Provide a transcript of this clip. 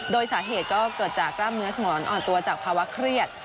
โดยสาเหตุก็เกิดจากกล้ามเนื้อสมองอ่อนตัวจากภาวะเครียด